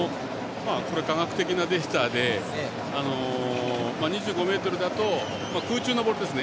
科学的なデータで２５ｍだと、空中のボールですね